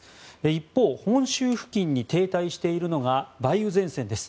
一方、本州付近に停滞しているのが梅雨前線です。